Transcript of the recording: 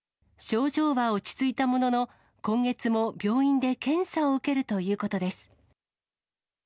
症状は落ち着いたものの、今月も病院で検査を受けるということです。